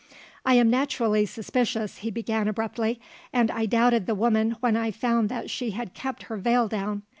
"I am naturally suspicious," he began abruptly; "and I doubted the woman when I found that she kept her veil down.